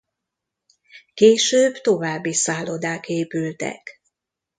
Később további szállodák épültek.